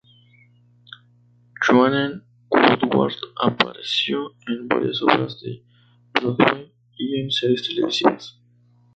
Joanne Woodward apareció en varias obras de Broadway y en series televisivas.